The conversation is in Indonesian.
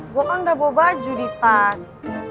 gue kan ga bawa baju di pas